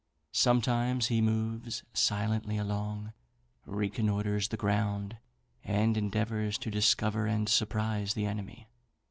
Sometimes he moves silently along, reconnoitres the ground, and endeavours to discover and surprise the enemy.